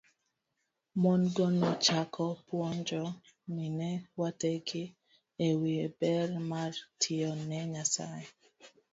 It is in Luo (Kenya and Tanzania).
Mon go nochako puonjo mine wetegi e wi ber mar tiyo ne Nyasaye